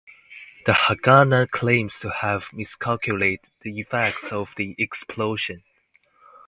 The Haganah claims to have miscalculated the effects of the explosion.